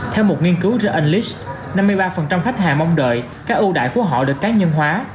theo một nghiên cứu ra alice năm mươi ba khách hàng mong đợi các ưu đại của họ được cá nhân hóa